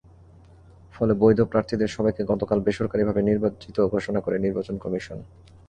ফলে বৈধ প্রার্থীদের সবাইকে গতকাল বেসরকারিভাবে নির্বাচিত ঘোষণা করে নির্বাচন কমিশন।